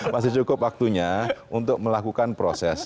masih cukup waktunya untuk melakukan proses